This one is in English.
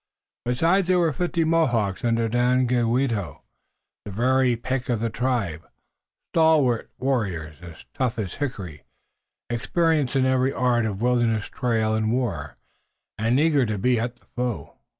Besides there were fifty Mohawks under Daganoweda, the very pick of the tribe, stalwart warriors, as tough as hickory, experienced in every art of wilderness trail and war, and eager to be at the foe.